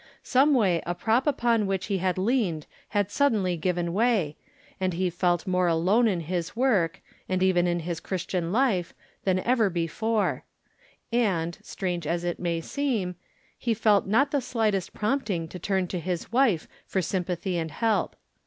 Someway a prop. upon which he had leaned had suddenly given way, and he felt more alone in his work, and even in his Christian life, than ever before ; and, strange as it may seem, he felt not the slightest prompting to turn to his wife for sympathy and help.